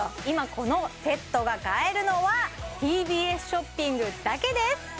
今このセットが買えるのはＴＢＳショッピングだけです！